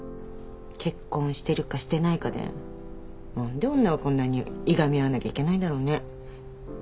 結婚してるかしてないかで何で女はこんなにいがみ合わなきゃいけないんだろうね？